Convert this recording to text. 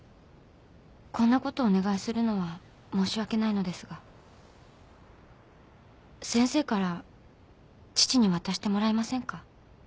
こんなことをお願いするのは申し訳ないのですが先生から父に渡してもらえませんか？